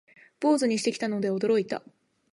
坊主にしてきたので驚いた